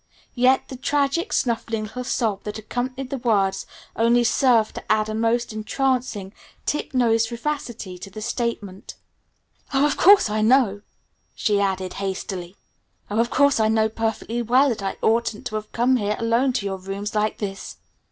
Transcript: Yet the tragic, snuffling little sob that accompanied the words only served to add a most entrancing, tip nosed vivacity to the statement. "Oh, of course I know," she added hastily. "Oh, of course I know perfectly well that I oughtn't to have come alone to your rooms like this!"